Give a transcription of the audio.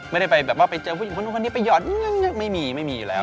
ไม่ได้ไปเจอผู้หญิงคนนี้ไปหยอดไม่มีอยู่แล้ว